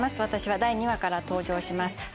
私は第２話から登場します